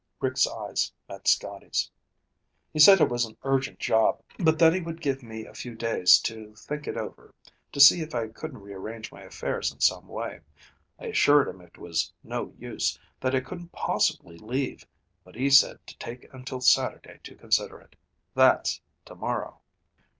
Rick's eyes met Scotty's. "He said it was an urgent job, but that he would give me a few days to think it over, to see if I couldn't rearrange my affairs in some way. I assured him it was no use, that I couldn't possibly leave, but he said to take until Saturday to consider it. That's tomorrow."